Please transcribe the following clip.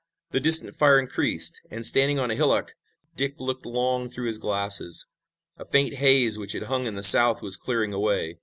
The distant fire increased, and, standing on a hillock, Dick looked long through his glasses. A faint haze which had hung in the south was clearing away.